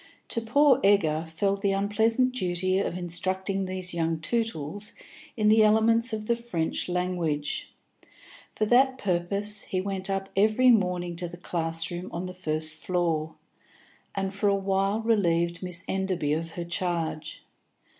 To poor Egger fell the unpleasant duty of instructing these young Tootles in the elements of the French language. For that purpose he went up every morning to the class room on the first floor, and for a while relieved Miss Enderby of her charge.